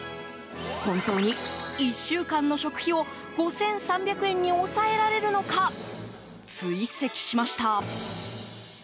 本当に１週間の食費を５３００円に抑えられるのか追跡しました。